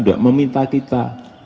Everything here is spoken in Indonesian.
juga meminta kita